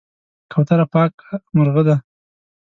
کوتره پاکه مرغه ده.